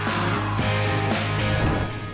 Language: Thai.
กระเศรฐกรตัดสรรค์